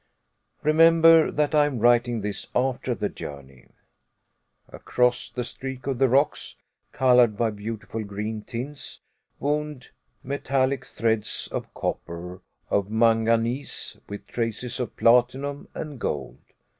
Remember that I am writing this after the journey. Across the streak of the rocks, colored by beautiful green tints, wound metallic threads of copper, of manganese, with traces of platinum and gold.